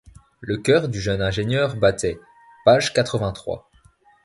Le cœur du jeune ingénieur battait. Page quatre-vingt-trois.